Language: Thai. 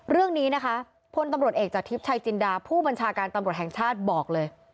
เรื่องนี้นะคะพลตำรวจเอกจากทิพย์ชัยจินดาผู้บัญชาการตำรวจแห่งชาติบอกเลย